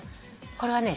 これはね